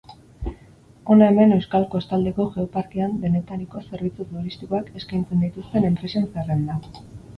Hona hemen Euskal Kostaldeko Geoparkean denetariko zerbitzu turistikoak eskaintzen dituzten enpresen zerrenda.